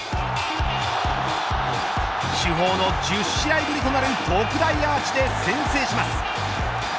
主砲の１０試合ぶりとなる特大アーチで先制します。